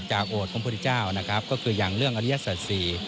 โอดของพุทธเจ้านะครับก็คืออย่างเรื่องอริยสัตว์ศรี